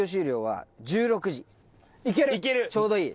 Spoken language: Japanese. ちょうどいい。